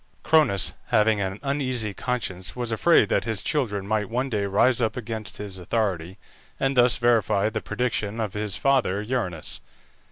Cronus, having an uneasy conscience, was afraid that his children might one day rise up against his authority, and thus verify the prediction of his father Uranus.